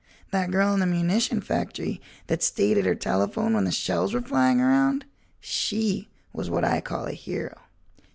That girl in the munition factory that stayed at her telephone when the shells were flying around—she was what I call a hero."